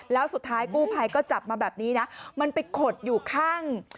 แล้วสุดท้ายกู้ภัยก็จับมาแบบนี้นะมันไปขดอยู่ข้าง